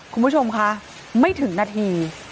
คุณผู้ชมคะไม่ถึงนาที